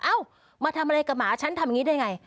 เอ้ามาทำอะไรกับหมาฉันทำอย่างนี้ได้ไง